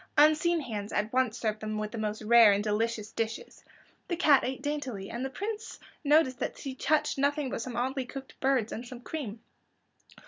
Unseen hands at once served them with the most rare and delicious dishes. The cat ate daintily, and the Prince noticed that she touched nothing but some oddly cooked birds, and some cream.